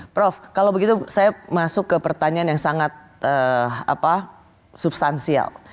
prof kalau begitu saya masuk ke pertanyaan yang sangat substansial